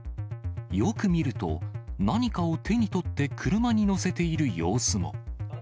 よく見ると、何かを手に取って車にのせている様子も。